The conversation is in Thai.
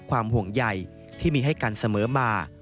ห่วงใหญ่ที่มีให้กันเสมอมา